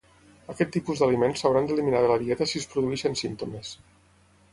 Aquest tipus d'aliments s'hauran d'eliminar de la dieta si es produeixen símptomes.